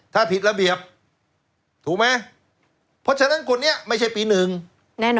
ถ้าผิดระเบียบถูกไหมเพราะฉะนั้นคนนี้ไม่ใช่ปีหนึ่งแน่นอน